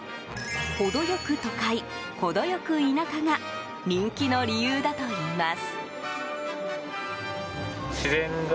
程良く都会、程良く田舎が人気の理由だといいます。